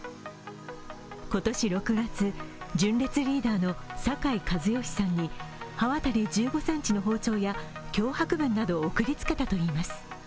今年６月、純烈リーダーの酒井一圭さんに刃渡り１５ｃｍの包丁や脅迫文などを送りつけたといいます。